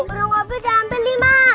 burung gua berjalan beli ma